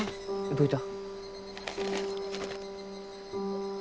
どういた？